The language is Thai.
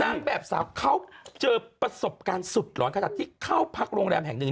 นางแบบสาวเขาเจอประสบการณ์สุดหลอนขนาดที่เข้าพักโรงแรมแห่งหนึ่ง